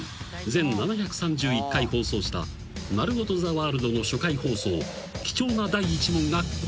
［全７３１回放送した『なるほど！ザ・ワールド』の初回放送貴重な第１問がこちら］